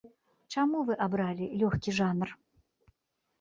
Чаму вы абралі лёгкі жанр?